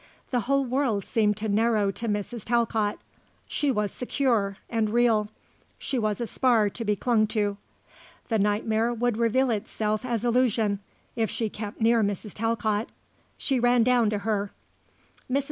The whole world seemed to narrow to Mrs. Talcott. She was secure and real. She was a spar to be clung to. The nightmare would reveal itself as illusion if she kept near Mrs. Talcott. She ran down to her. Mrs.